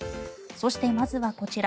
そして、まずはこちら。